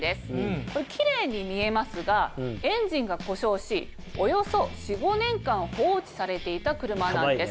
これキレイに見えますがエンジンが故障しおよそ４５年間放置されていた車なんです。